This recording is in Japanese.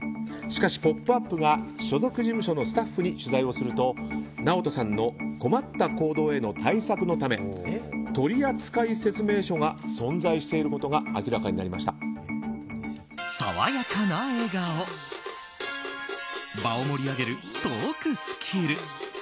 しかし「ポップＵＰ！」が所属事務所のスタッフに取材するとＮＡＯＴＯさんの困った行動への対策のため取扱説明書が存在していることが爽やかな笑顔場を盛り上げるトークスキル。